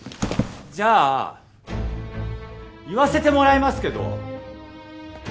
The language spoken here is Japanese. じゃあ言わせてもらいますけど